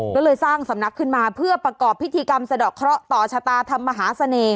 ก็เลยสร้างสำนักขึ้นมาเพื่อประกอบพิธีกรรมสะดอกเคราะห์ต่อชะตาธรรมมหาเสน่ห